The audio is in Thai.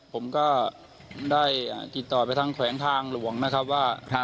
ผมก็ได้ติดต่อไปทางแขวงทางหลวงนะครับว่า